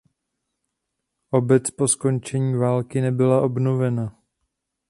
Obec po skončení války nebyla obnovena.